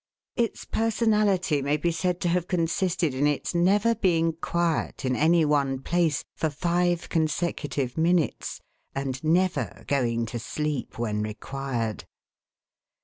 Its personality may be said to have consisted in its never being quiet, in any one place, for five consecutive minutes, and never going to sleep when required.